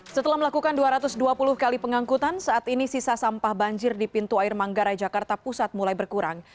setelah melakukan dua ratus dua puluh kali pengangkutan saat ini sisa sampah banjir di pintu air manggarai jakarta pusat mulai berkurang